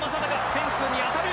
フェンスに当たる。